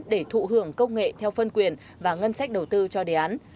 để thụ hưởng công nghệ theo phân quyền và ngân sách đầu tư cho đề án